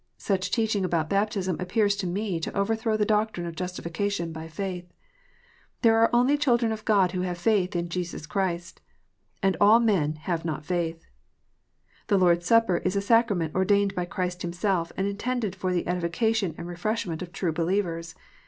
Such teaching about baptism appears to me to overthrow the doctrine of justification by faith. They only are children of God who have faith in Christ Jesus. And all men have not faith. The Lord s Supper is a sacrament ordained by Christ Him self, and intended for the edification and refreshment of true believers.